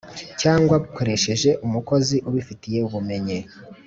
cyangwa bukoresheje umukozi ubifitiye ubumenyi